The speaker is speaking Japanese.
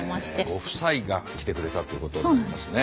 ご夫妻が来てくれたということになりますね。